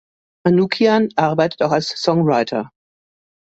Manoukian arbeitet auch als Songwriter.